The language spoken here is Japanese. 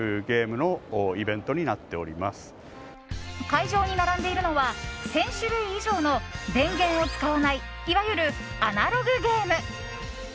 会場に並んでいるのは１０００種類以上の電源を使わないいわゆるアナログゲーム。